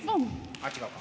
あっ違うか。